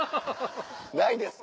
ないです